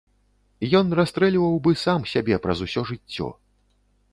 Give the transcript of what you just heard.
Ён расстрэльваў бы сам сябе праз усё жыццё.